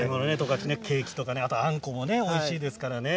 ケーキとかあんこもおいしいですからね。